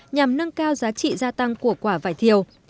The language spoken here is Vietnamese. nhằm nâng cao giá trị gia tăng của quả vải thiều